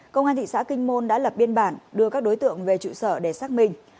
công an thị xã kinh môn đã lập biên bản đưa các đối tượng về trụ sở để xác minh